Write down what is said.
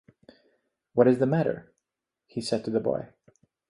‘What is the matter?’ he said to the boy.